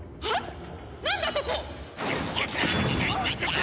あっ！